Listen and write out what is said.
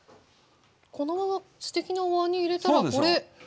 このまますてきなおわんに入れたらこれもしかして。